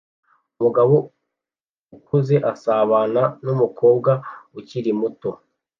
Umugabo ukuze asabana numukobwa ukiri muto